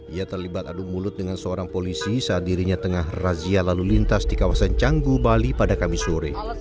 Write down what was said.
ia terlibat adu mulut dengan seorang polisi saat dirinya tengah razia lalu lintas di kawasan canggu bali pada kamis sore